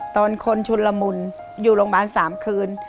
ตอนคนชุนละมุนอยู่โรงพยาบาล๓คืน